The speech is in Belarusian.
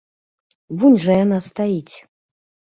Вунь жа яна стаіць.